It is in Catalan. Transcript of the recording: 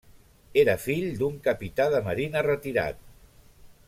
Era fill d'un capità de marina retirat.